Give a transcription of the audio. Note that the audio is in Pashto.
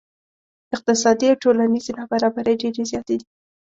اقتصادي او ټولنیزې نا برابرۍ ډیرې زیاتې دي.